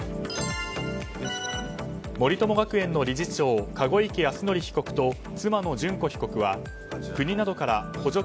森友学園の理事長籠池泰典被告と妻の諄子被告は国などから補助金